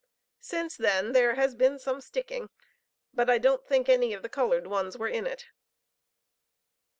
Since then there has been some 'sticking;' but I don't think any of the colored ones were in it."